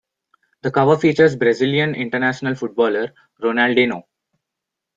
The cover features Brazilian international footballer Ronaldinho.